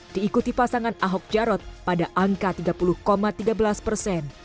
diikuti pasangan ahok jarot pada angka tiga puluh tiga belas persen